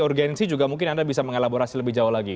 urgensi juga mungkin anda bisa mengelaborasi lebih jauh lagi